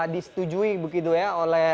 disetujui begitu ya oleh